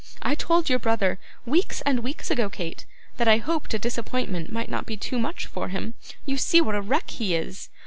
I told your brother, weeks and weeks ago, Kate, that I hoped a disappointment might not be too much for him. You see what a wreck he is.